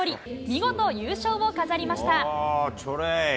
見事、優勝を飾りました。